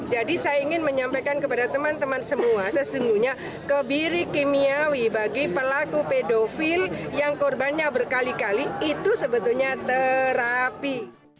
jadi saya ingin menyampaikan kepada teman teman semua sesungguhnya kebiri kimiawi bagi pelaku pedofil yang korbannya berkali kali itu sebetulnya terapi